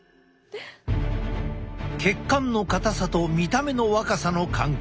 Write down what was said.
血管の硬さと見た目の若さの関係。